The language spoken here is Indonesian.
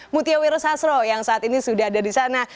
mutia wiro sastro yang saat ini sudah ada di sana